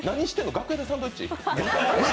楽屋でサンドイッチ？